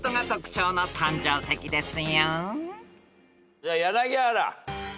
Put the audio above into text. じゃあ柳原。